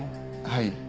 はい。